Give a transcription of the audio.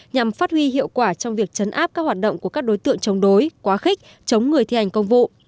nhằm phát huy hiệu quả trong việc chấn áp các hoạt động của các đối tượng chống đối quá khích chống người thi hành công vụ